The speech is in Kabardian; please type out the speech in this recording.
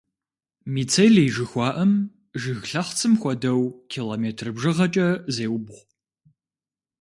Мицелий жыхуаӏэм, жыг лъэхъцым хуэдэу, километр бжыгъэкӏэ зеубгъу.